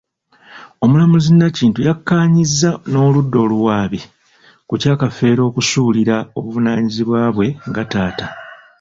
Omulamuzi Nakintu yakkaanyizza n'oludda oluwaabi ku kya Kafeero okusuulira obuvunaanyizibwa bwe nga taata.